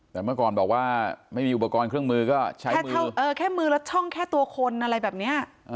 แต่เมื่อก่อนบอกว่าไม่มีอุปกรณ์เครื่องมือก็ใช้แค่มือแล้วช่องแค่ตัวคนอะไรแบบนี้